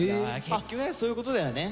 結局そういうことだよね。